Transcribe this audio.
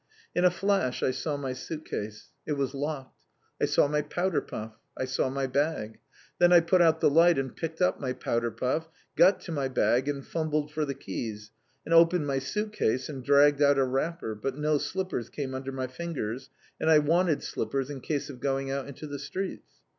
In a flash I saw my suit case. It was locked. I saw my powder puff. I saw my bag. Then I put out the light and picked up my powder puff, got to my bag, and fumbled for the keys, and opened my suit case and dragged out a wrapper, but no slippers came under my fingers, and I wanted slippers in case of going out into the streets.